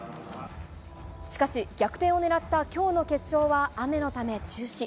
しかし、逆転を狙ったきょうの決勝は雨のため中止。